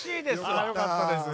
よかったです。